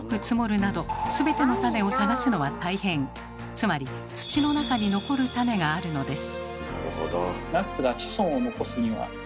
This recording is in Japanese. つまり土の中に残る種があるのです。